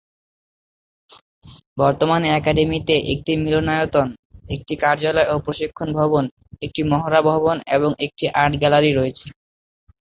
বর্তমানে একাডেমিতে একটি মিলনায়তন, একটি কার্যালয় ও প্রশিক্ষণ ভবন, একটি মহড়া ভবন এবং একটি আর্ট গ্যালারি রয়েছে।